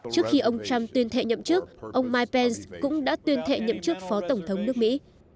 trước khi ông trump tuyên thệ nhậm chức ông mike pence cũng đã tuyên thệ nhậm chức phó tổng thống nước mỹ